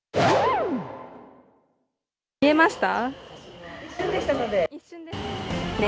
見えました？